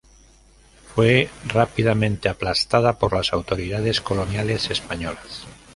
Fue rápidamente aplastada por las autoridades coloniales españolas.